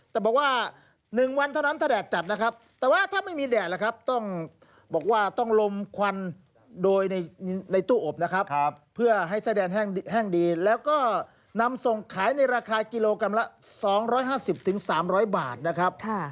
แต่บอกว่า๑วันเท่านั้นถ้าแดดจัดนะครับ